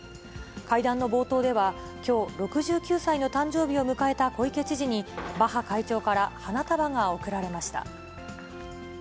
会談の冒頭では、きょう、６９歳の誕生日を迎えた小池知事に、バッハ会長から花束が贈られました。